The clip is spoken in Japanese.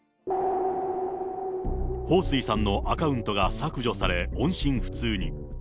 彭帥さんのアカウントが削除され、音信不通に。